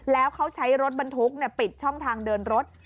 แล้วเขาใช้รถบรรทุกปิดช่องทางเดินรถ